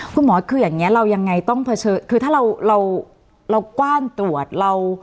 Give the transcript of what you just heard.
คุณหมอคืออย่างนี้เรายังไงต้องเผชิญคือถ้าเรากว้านตรวจ